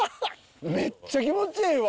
めっちゃ気持ちええわ。